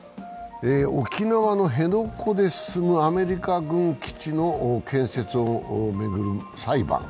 沖縄の辺野古で進むアメリカ軍の建設を巡る裁判。